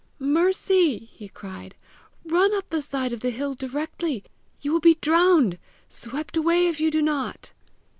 "Mercy!" he cried, "run up the side of the hill directly; you will be drowned swept away if you do not."